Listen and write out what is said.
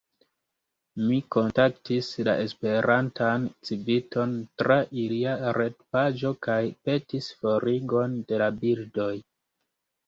Mi kontaktis la Esperantan Civiton tra ilia retpaĝo kaj petis forigon de la bildoj.